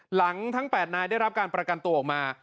หลังทั้ง๘นายได้รับการประกันตัวออกมา